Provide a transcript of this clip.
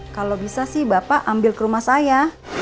kalau bisa sih bapak ambil ke rumah saya